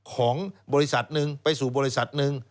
ของบริษัทหนึ่งไปสู่บริษัทหนึ่ง